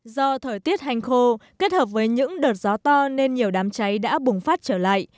do thời tiết hành khô kết hợp với những đợt gió to nên nhiều đám cháy đã bùng phát trở lại